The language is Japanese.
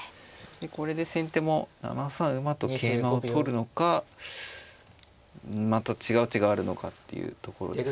これで先手も７三馬と桂馬を取るのかまた違う手があるのかっていうところですね。